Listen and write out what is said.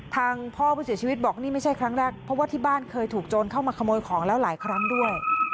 ทางพ่อผู้เสียชีวิตบอกนี่ไม่ใช่ครั้งแรกเพราะว่าที่บ้านเคยถูกโจรเข้ามาขโมยของแล้วหลายครั้งด้วย